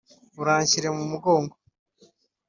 uranshyire mu mugongo